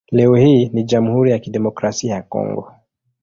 Leo hii ni Jamhuri ya Kidemokrasia ya Kongo.